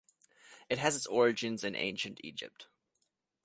It has its origins in ancient Egypt.